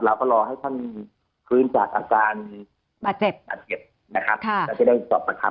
เราก็รอให้ท่านฟื้นจากอาการบาดเจ็บบาดเจ็บนะครับแล้วจะได้สอบประคัม